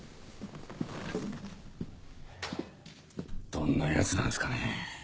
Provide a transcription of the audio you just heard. どんなヤツなんすかね？